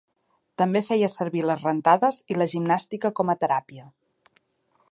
També feia servir les rentades i la gimnàstica com a teràpia.